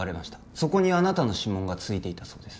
そこにあなたの指紋がついていたそうです